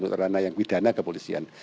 untuk ranah yang pidana kepolisian